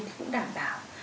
thì cũng đảm bảo